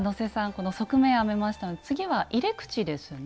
この側面編めましたので次は入れ口ですね。